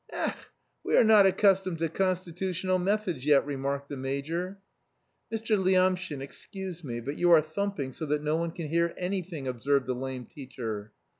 "Ech, we are not accustomed to constitutional methods yet!" remarked the major. "Mr. Lyamshin, excuse me, but you are thumping so that no one can hear anything," observed the lame teacher.